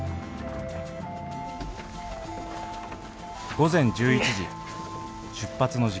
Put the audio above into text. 午前１１時出発の時間。